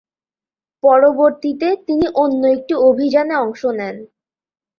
পরবর্তীতে তিনি অন্য একটি অভিযানে অংশ নেন।